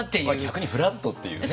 逆にフラットっていうね。